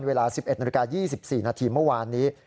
เวลา๑๑นาฬิกา๒๔นาทีเมื่อวานนี้